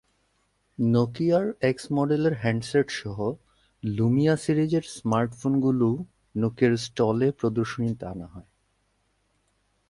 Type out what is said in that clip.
নকিয়ার X মডেলের হ্যান্ডসেটসহ Lumia সিরিজের স্মার্টফোনগুলোও নকিয়ার স্টলে প্রদর্শনীতে আনা হয়।